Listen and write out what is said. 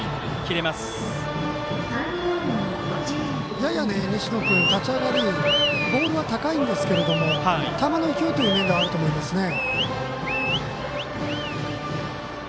やや西野君、立ち上がりボールは高いんですが球の勢いという面ではあると思いますね。